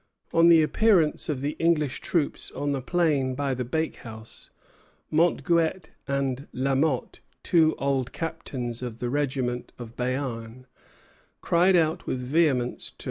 On the appearance of the English troops on the plain by the bakehouse, Montguet and La Motte, two old captains in the regiment of Béarn, cried out with vehemence to M.